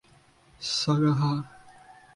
Sage Ja!